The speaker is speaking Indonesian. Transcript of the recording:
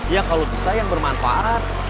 ya kalau bisa yang bermanfaat